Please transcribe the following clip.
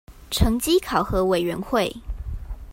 成績考核委員會